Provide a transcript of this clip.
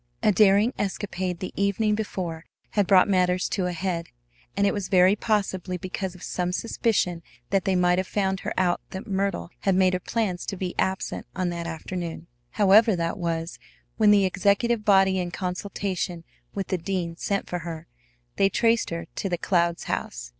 A daring escapade the evening before had brought matters to a head, and it was very possibly because of some suspicion that they might have found her out that Myrtle had made her plans to be absent on that afternoon. However that was, when the executive body in consultation with the dean sent for her, they traced her to the Clouds' house.